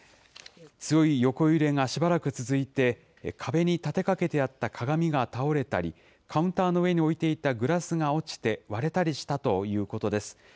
強い横揺れがしばらく続いて、壁に立てかけてあった鏡が倒れたり、カウンターの上に置いていたグラスが落ちて割れたりしたということです。